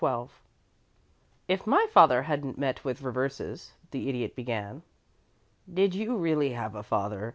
XII "If my father hadn't met with reverses " the Idiot began. "Did you really have a father?"